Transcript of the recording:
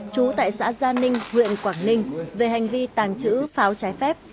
trú tại xã gia ninh huyện quảng ninh về hành vi tàng trữ pháo trái phép